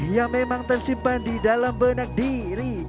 yang memang tersimpan di dalam benak diri